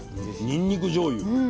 にんにくじょうゆ。